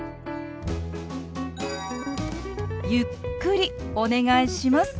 ゆっくりお願いします。